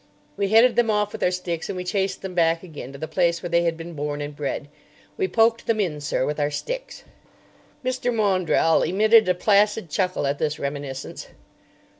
We headed them off with our sticks, and we chased them back again to the place where they had been born and bred. We poked them in, sir, with our sticks." Mr. Maundrell emitted a placid chuckle at this reminiscence.